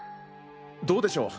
どうでしょう？